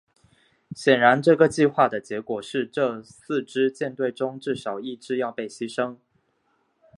显然这个计划的结果是这四支舰队中至少一支要被牺牲。